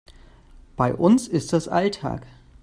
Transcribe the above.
Bei uns ist das Alltag.